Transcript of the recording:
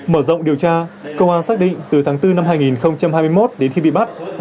mở rộng điều tra công an xác định từ tháng bốn năm hai nghìn hai mươi một đến khi bị bắt